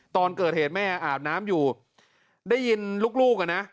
ตอนเกิดเหตุแม่อาบน้ำอยู่ได้ยินลูกอ่ะนะ